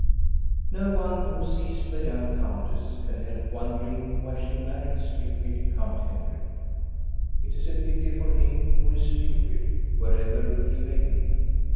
No one who sees the young countess can help wondering why she married stupid Count Henrik. It is a pity for him who is stupid, wherever he may be.